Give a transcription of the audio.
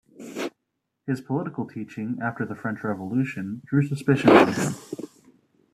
His political teaching, after the French Revolution, drew suspicion on him.